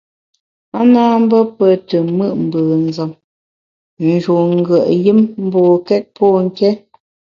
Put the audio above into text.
A na mbe pe te mùt mbùnzem, ń njun ngùet yùm mbokét pô nké.